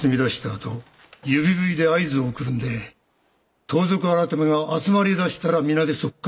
あと指笛で合図を送るんで盗賊改が集まりだしたら皆でそこから逃げ出してくれ。